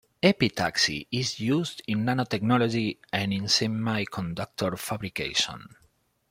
Epitaxy is used in nanotechnology and in semiconductor fabrication.